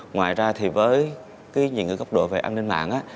ngoài ra thì với cái nhiều cái góc độ về an ninh mạng á